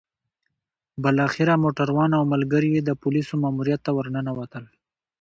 بالاخره موټروان او ملګري يې د پوليسو ماموريت ته ورننوتل.